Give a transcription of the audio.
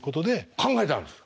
考えたんですか？